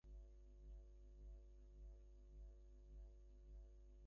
আমি আপনাকে যতটা মনে করিতাম, সে আবার আমাকে তাহার চেয়েও বেশি মনে করিত।